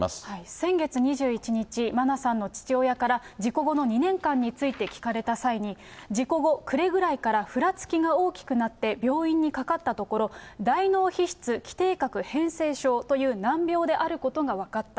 先月２１日、真菜さんの父親から、事故後の２年間について聞かれた際に、事故後、暮れぐらいからふらつきが大きくなって、病院にかかったところ、大脳皮質基底核変性症という難病であることが分かった。